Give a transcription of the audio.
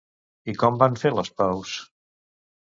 I com van fer les paus?